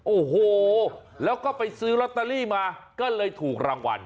โอ้โหแล้วก็ไปซื้อลอตเตอรี่มาก็เลยถูกรางวัล